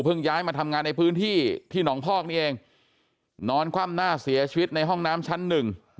ย้ายมาทำงานในพื้นที่ที่หนองพอกนี่เองนอนคว่ำหน้าเสียชีวิตในห้องน้ำชั้นหนึ่ง